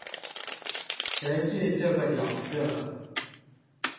詮釋這個角色